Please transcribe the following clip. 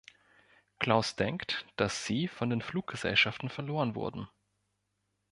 Klaus denkt, dass sie von den Fluggesellschaften verloren wurden.